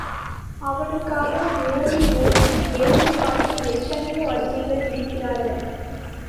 அவனுக்காக ஓடி ஒடி வேலை பார்க்க எத்தனையோ அடிமைகள் இருக்கிறார்கள்.